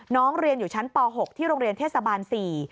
น้องเรียนอยู่ชั้นป่าหกที่โรงเรียนเทศบาลสี่